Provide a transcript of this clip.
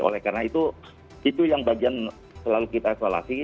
oleh karena itu yang bagian selalu kita evaluasi